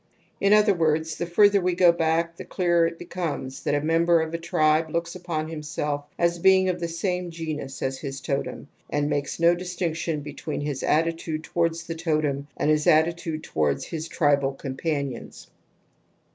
In other words, the further we go back the clearer it becomes that a member of a tribe looks upon himself as being of the same genus as his totem and makes no distinction INFANTILE RECURRENCE OF TOTEMISM 178 between his attitude towards the totem and his attitude towards his tribal companions.